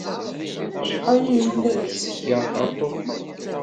Acḥal ay yellan seg-a ɣer Tokyo?